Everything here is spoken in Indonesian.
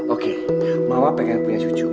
oke mama pengen punya cucu